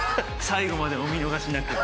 最後までお見逃しなく。